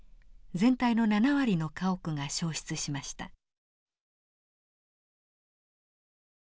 全体の７割の家屋が焼失しました。